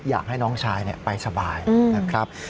อยากให้น้องชายไปสบายนะครับ